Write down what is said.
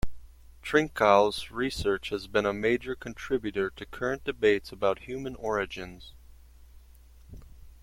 Trinkaus' research has been a major contributor to current debates about human origins.